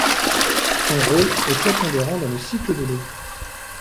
Son rôle est prépondérant dans le cycle de l'eau.